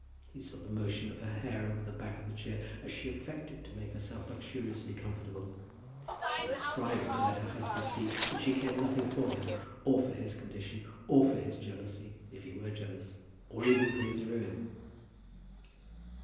He saw the motion of her hair over the back of the chair as she affected to make herself luxuriously comfortable. She was striving to let her husband see that she cared nothing for him, or for his condition, or for his jealousy, if he were jealous, or even for his ruin.